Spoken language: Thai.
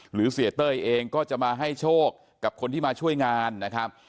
เสียเต้ยเองก็จะมาให้โชคกับคนที่มาช่วยงานนะครับ